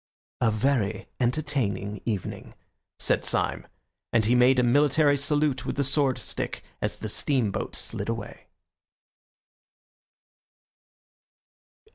"A very entertaining evening," said Syme, and he made a military salute with the sword stick as the steamboat slid away.